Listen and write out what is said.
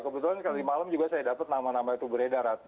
kebetulan kali malam juga saya dapat nama nama itu beredar